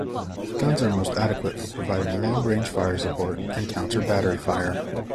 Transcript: Guns are most adequate for providing long range fire support and counter-battery fire.